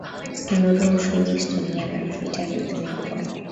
Norway Ufini Estonia Latvia Lithuania Poland